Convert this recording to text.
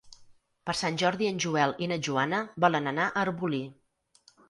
Per Sant Jordi en Joel i na Joana volen anar a Arbolí.